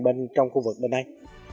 bên trong khu vực bên đây